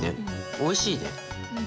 おいしいね。